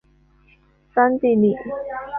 桑蒂利。